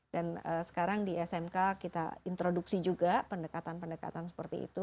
dan sekarang di smk kita introduksi juga pendekatan pendekatan seperti itu